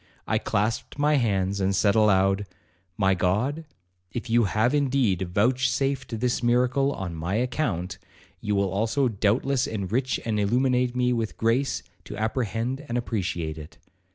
I clasped my hands, and said aloud, 'My God, if you have indeed vouchsafed this miracle on my account, you will also doubtless enrich and illuminate me with grace to apprehend and appreciate it.